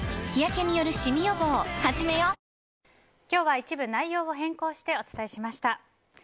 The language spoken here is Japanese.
今日は一部内容を変更してお伝えしました。